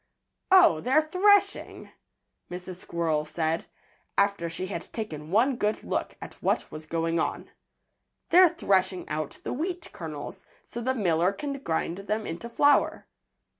"Oh! they're threshing!" Mrs. Squirrel said, after she had taken one good look at what was going on. "They're threshing out the wheat kernels, so the miller can grind them into flour."